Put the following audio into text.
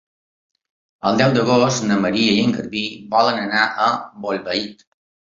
El deu d'agost na Maria i en Garbí volen anar a Bolbait.